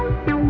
mau gak kau